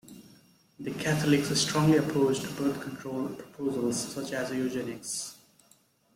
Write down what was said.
The Catholics strongly opposed birth control proposals such as eugenics.